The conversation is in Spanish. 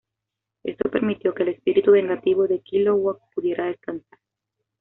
Esto permitió que el espíritu vengativo de Kilowog pudiera descansar.